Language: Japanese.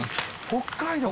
北海道？